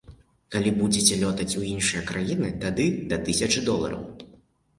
Калі будзеце лётаць у іншыя краіны, тады да тысячы долараў.